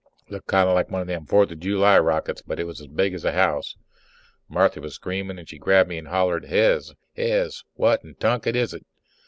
Looked kind of like one of them Fourth of July skyrockets, but it was big as a house. Marthy was screaming and she grabbed me and hollered, "Hez! Hez, what in tunket is it?"